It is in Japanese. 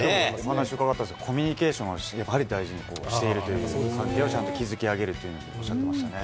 話伺ったんですが、コミュニケーションはやはり大事にしているという、関係をちゃんと築き上げるというふうにおっしゃってましたね。